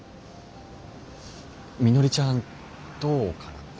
みのりちゃんどうかなって。